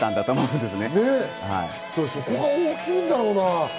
そこが大きいんだろうな。